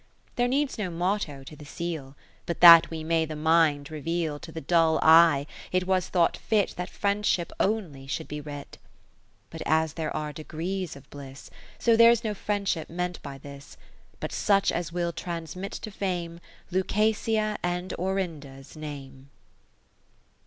XV There needs no Motto to the Seal: But that we may the mind reveal To the dull eye, it was thought fit That Friendship only should be writ. Co XVI But as there are degrees of bliss, So there's no Friendship meant by this, But such as will transmit to Fame Lucasia and Orinda's Name.